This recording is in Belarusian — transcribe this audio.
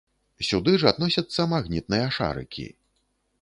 Сюды ж адносяцца магнітныя шарыкі.